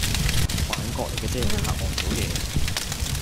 幻覺嚟架啫，嚇我唔倒嘅